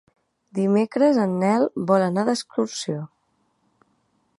Dimecres en Nel vol anar d'excursió.